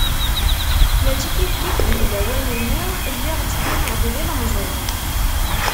Mačči kifkif, deg lawan-nni lliɣ ttbineɣ-d d ilemẓi.